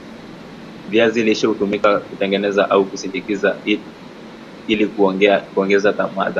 viazi lishe hutumika kutengeneza au kusindikwa ili kuongeza dhamani